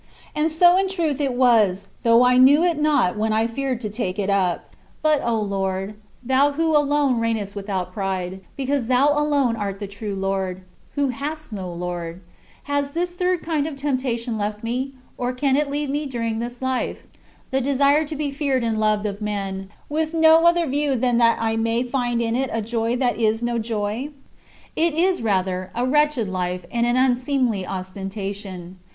And so in truth it was, though I knew it not when I feared to take it up. 59. But, O Lord thou who alone reignest without pride, because thou alone art the true Lord, who hast no Lord has this third kind of temptation left me, or can it leave me during this life: the desire to be feared and loved of men, with no other view than that I may find in it a joy that is no joy? It is, rather, a wretched life and an unseemly ostentation.